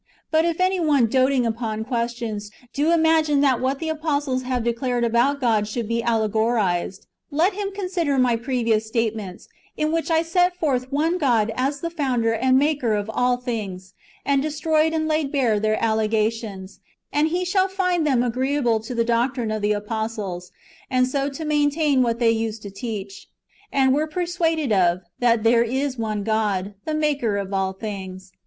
But if any one, "doting about questions,"^ do 1 Acts vii. 2 8. 2 BoqI^ ^i cli. xxx. 2. ^ 1 Tim. vi. 4. Book hi.] lEENyEUS AGAINST HEBESIES. 309 imagine that what the apostles have declared about God should be allegorized, let him consider my previous state ments, in which I set forth, one God as the Founder and Maker of all things, and destroyed and laid bare their allega tions; and he shall find them agreeable to the doctrine of the apostles, and so to maintain what they used to teach, and were persuaded of, that there is one God, the Maker of all things.